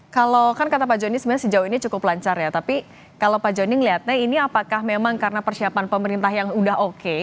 kalau kan kata pak joni sebenarnya sejauh ini cukup lancar ya tapi kalau pak joni melihatnya ini apakah memang karena persiapan pemerintah yang sudah oke